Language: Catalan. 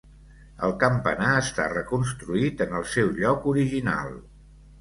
El campanar està reconstruït, en el seu lloc original.